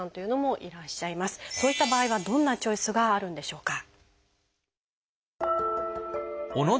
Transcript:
そういった場合はどんなチョイスがあるんでしょうか？